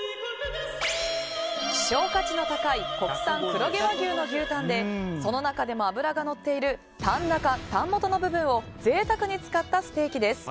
希少価値の高い国産黒毛和牛の牛タンでその中でも脂がのっているタン中、タン元の部分を贅沢に使ったステーキです。